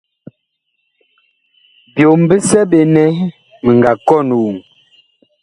Byom bisɛ ɓe nɛ mi nga kɔn woŋ.